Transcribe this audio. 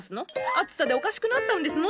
暑さでおかしくなったんですの？